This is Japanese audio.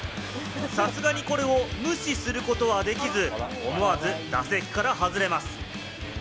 さすがにこれを無視することはできず、思わず打席から外れます。